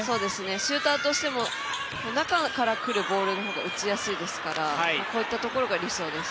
シューターとしても中から来るボールの方が打ちやすいですからこういったところが理想です。